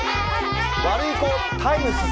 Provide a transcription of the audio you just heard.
ワルイコタイムス様。